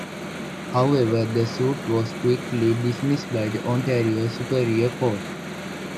However, the suit was quickly dismissed by the Ontario Superior Court.